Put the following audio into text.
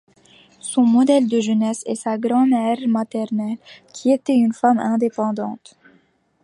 Son modèle de jeunesse est sa grand-mère maternelle qui était une femme indépendante.